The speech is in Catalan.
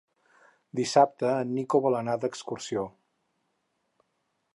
Dissabte en Nico vol anar d'excursió.